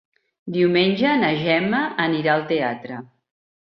Diumenge na Gemma anirà al teatre.